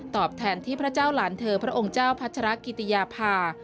แทนที่พระเจ้าหลานเธอพระองค์เจ้าพัชรกิติยาภา